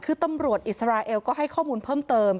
คือตำรวจอิสราเอลก็ให้ข้อมูลเพิ่มเติม